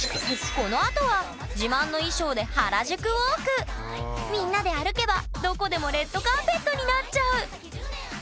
このあとは自慢の衣装でみんなで歩けばどこでもレッドカーペットになっちゃう！